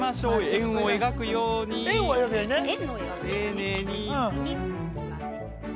円を描くように、丁寧に。